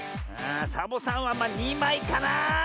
サボさんはまあ２まいかなあ。